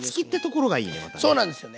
そうなんですよね。